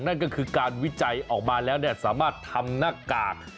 นั่นก็คือการวิจัยออกมาแล้วสามารถทำหน้ากาก